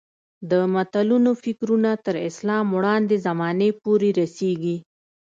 د متلونو فکرونه تر اسلام وړاندې زمانې پورې رسېږي